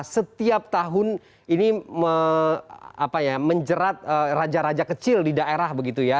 setiap tahun ini menjerat raja raja kecil di daerah begitu ya